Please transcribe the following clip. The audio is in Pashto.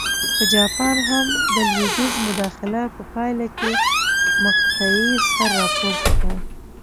په جاپان هم د لوېدیځ مداخلې په پایله کې مقطعې سر راپورته کړ.